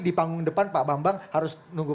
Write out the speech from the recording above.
di panggung depan pak bambang harus nunggu